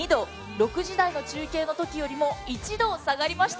６時台の中継のときよりも１度下がりました。